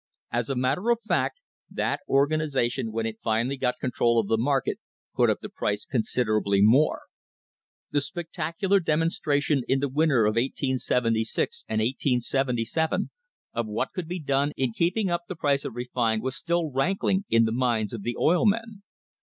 As a matter of fact that organisation when it finally got control of the market put up the price consider ably more. The spectacular demonstration in the winter of 1876 and 1877 of what could be done in keeping up the price If refined was still rankling in the minds of the oil men.